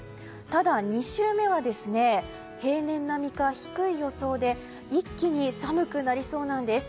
ただ、２週目は平年並みか低い予想で一気に寒くなりそうなんです。